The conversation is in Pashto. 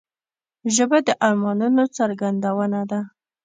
ژبه د ارمانونو څرګندونه ده